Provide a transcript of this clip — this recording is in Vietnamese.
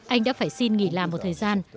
anh đã phải xin nghỉ làm một thời gian